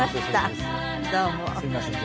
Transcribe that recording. すみません。